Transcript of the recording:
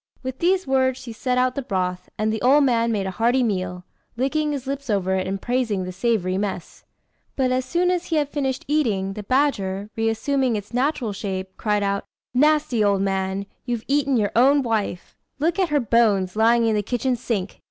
With these words she set out the broth, and the old man made a hearty meal, licking his lips over it, and praising the savoury mess. But as soon as he had finished eating, the badger, reassuming its natural shape, cried out "Nasty old man! you've eaten your own wife. Look at her bones, lying in the kitchen sink!"